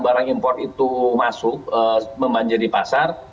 barang impor itu masuk memanja di pasar